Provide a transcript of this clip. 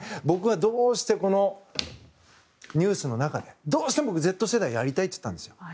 僕は、このニュースの中でどうしてもＺ世代やりたいと言ったんですよ。